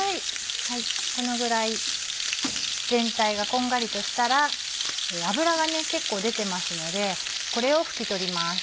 このぐらい全体がこんがりとしたら脂が結構出てますのでこれを拭き取ります。